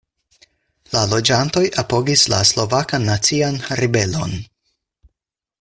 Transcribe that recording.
La loĝantoj apogis la Slovakan Nacian Ribelon.